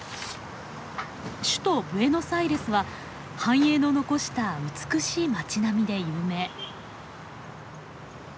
首都ブエノスアイレスは繁栄の残した美しい町並みで有名。